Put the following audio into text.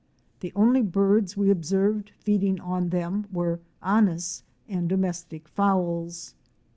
The only birds we observed feeding on them were Anis and domestic fowls.